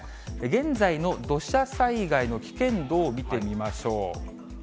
現在の土砂災害の危険度を見てみましょう。